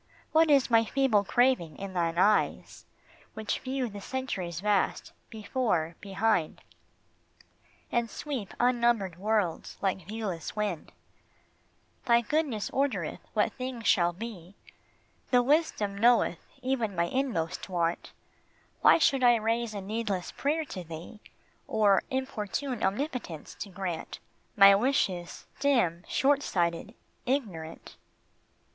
What is my feeble craving in thine eyes Which view the centuries vast, before, behind, And sweep unnumbered worlds like viewless wind ? Thy goodness ordereth what thing shall be, The wisdom knoweth even my inmost want ; Why should I raise a needless prayer to thee, Or importune Omnipotence to grant My wishes, dim, short sighted, ignorant